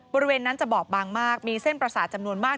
บริเวณนั้นจะบอบบางมากมีเส้นประสาทจำนวนมาก